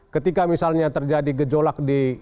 ketika misalnya terjadi gejolak di